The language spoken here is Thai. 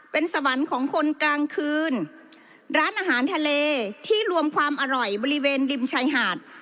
เป็นสวรรค์ของคนกลางคืนร้านอาหารทะเลที่รวมความอร่อยบริเวณริมชายหาด